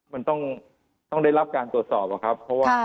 มันต้องได้รับการตรวจสอบอะครับ